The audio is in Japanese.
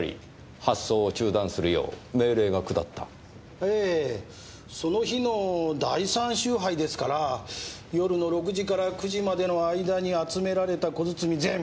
ええその日の第三集配ですから夜の６時から９時までの間に集められた小包全部。